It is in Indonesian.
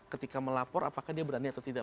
ketika melapor apakah dia berani atau tidak